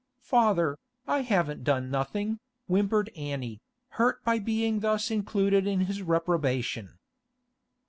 'Father, I haven't done nothing,' whimpered Annie, hurt by being thus included in his reprobation.